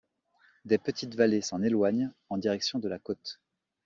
Des petites vallées s'en éloignent en direction de la côte.